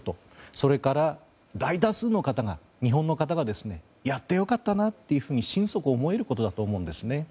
それから、大多数の方が日本の方がやってよかったなと心底思えることだと思うんです。